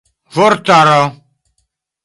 vortaro